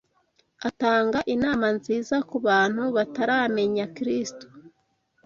atanga inama nziza ku bantu bataramenya Kristo